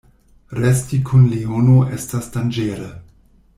Resti kun leono estas danĝere.